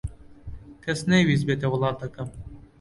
کەس نەیویست بێتە وڵاتەکەم.